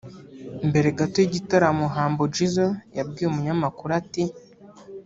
Mbere gato y’igitaramo Humble Jizzo yabwiye umunyamakuru ati